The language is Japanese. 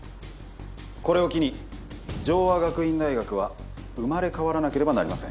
これを機に城和学院大学は生まれ変わらなければなりません